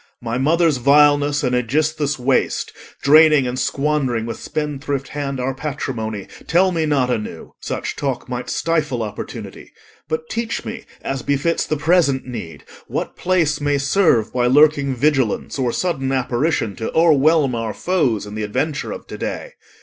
My mother's vileness and Aegisthus' waste, Draining and squandering with spendthrift hand Our patrimony, tell me not anew. Such talk might stifle opportunity. But teach me, as befits the present need, What place may serve by lurking vigilance Or sudden apparition to o'erwhelm Our foes in the adventure of to day.